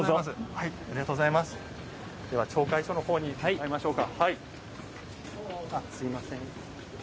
では、町会所のほうにまいりましょう。